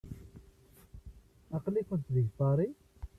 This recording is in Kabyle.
Aql-ikent deg Paris?